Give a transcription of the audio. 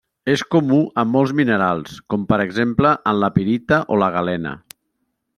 És comú en molts minerals, com per exemple en la pirita o la galena.